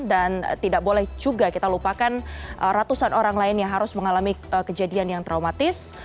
dan tidak boleh juga kita lupakan ratusan orang lain yang harus mengalami kejadian yang traumatis